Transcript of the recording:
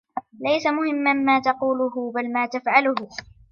ليس مهما ما تقوله، بل ما تفعله.